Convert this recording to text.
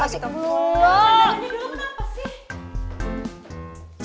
kenanya dulu kenapa sih